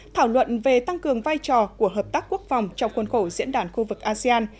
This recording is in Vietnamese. thảo luận về tăng cường vai trò của hợp tác quốc phòng trong khuôn khổ diễn đàn khu vực asean